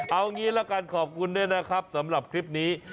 เอางี้ละกันขอบคุณด้วยนะครับสำหรับคลิปนี้